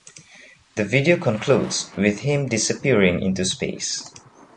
The video concludes with him disappearing into space.